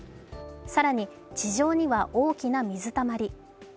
更に地上には大きな水たまり。